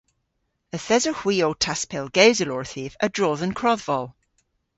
Yth esowgh hwi ow taspellgewsel orthiv a-dro dhe'n krodhvol.